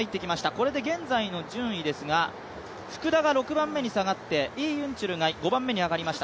これで現在の順位ですが、福田が６番目に下がって、イ・ユンチョルが５番目に上がりました。